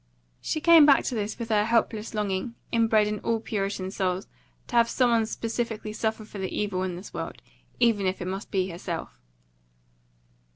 She came back to this with her helpless longing, inbred in all Puritan souls, to have some one specifically suffer for the evil in the world, even if it must be herself.